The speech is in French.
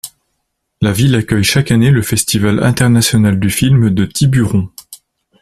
La ville accueille chaque année le Festival international du film de Tiburon.